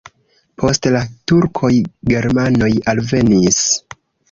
Post la turkoj germanoj alvenis.